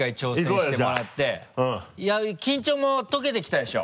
緊張も解けてきたでしょ？